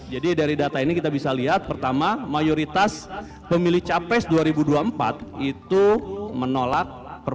jadi dari data ini kita bisa lihat pertama mayoritas pemilih capres dua ribu dua puluh empat itu menolak